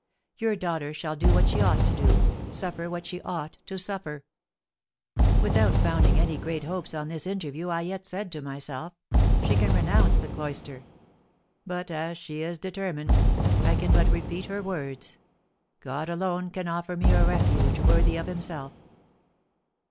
Your daughter shall do what she ought to do, suffer what she ought to suffer." Without founding any great hopes on this interview, I yet said to myself, "She can renounce the cloister. But as she is determined, I can but repeat her words, 'God alone can offer me a refuge worthy of himself.'"